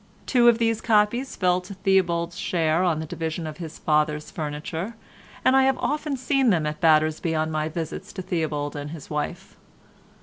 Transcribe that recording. Two of these copies fell to Theobald's share on the division of his father's furniture, and I have often seen them at Battersby on my visits to Theobald and his wife.